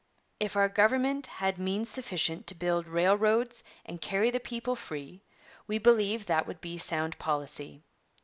'If our government had means sufficient to build railroads and carry the people free, we believe that would be sound policy.'